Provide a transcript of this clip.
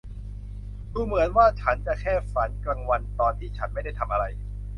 ดูเหมือนว่าฉันจะแค่ฝันกลางวันตอนที่ฉันไม่ได้ทำอะไร